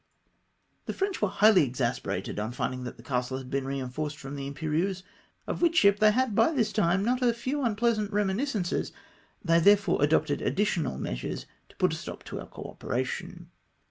The French were highly exasperated on finding that the castle had been reinforced from the Imperieii'se, of which ship they had by this time not a few unpleasant reminiscences ; they therefore adopted additional mea sures to put a stop to our co operation.